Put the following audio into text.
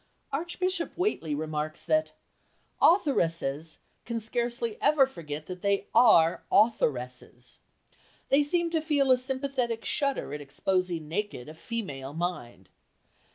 Archbishop Whately remarks that: "Authoresses ... can scarcely ever forget that they are authoresses. They seem to feel a sympathetic shudder at exposing naked a female mind.